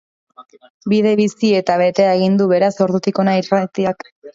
Bide bizi eta betea egin du, beraz, ordutik hona irratiak.